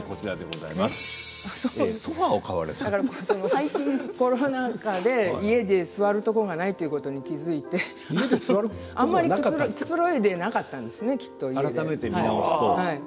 最近コロナ禍で家の中に座るところがないということに気が付いてあまりくつろいでいなかったんですね。